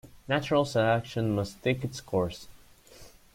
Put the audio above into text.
Natural selection must take its course.